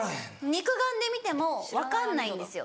肉眼で見ても分かんないんですよ。